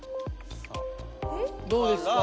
どうですか？